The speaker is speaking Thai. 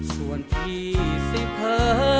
ส่วนพี่สิเผลอ